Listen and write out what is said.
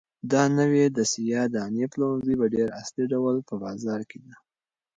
دا نوی د سیاه دانې پلورنځی په ډېر عصري ډول په بازار کې دی.